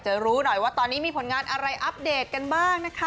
รู้หน่อยว่าตอนนี้มีผลงานอะไรอัปเดตกันบ้างนะคะ